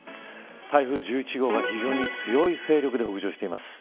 台風１１号が非常に強い勢力で北上しています。